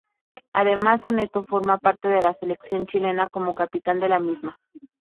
Además, Oneto forma parte de la Selección Chilena, como capitán de la misma.